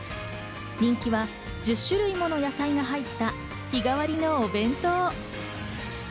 人気は１０種類もの野菜が入った日替わりのお弁当。